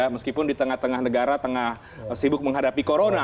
meskipun di tengah tengah negara tengah sibuk menghadapi corona